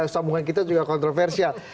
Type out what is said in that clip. sambungan kita juga kontroversial